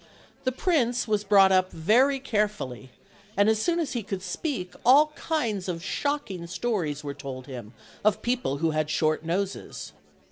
The prince was brought up very carefully, and as soon as he could speak all kinds of shocking stories were told him of peo ple who had short noses.